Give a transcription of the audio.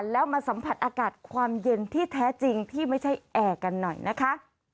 แล้วมาสัมผัสอากาศความเย็นที่แท้จริงที่ไม่ใช่แอร์กันหน่อยนะคะ